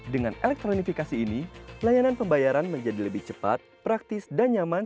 dengan elektronifikasi ini layanan pembayaran menjadi lebih cepat praktis dan nyaman